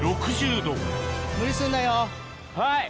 はい。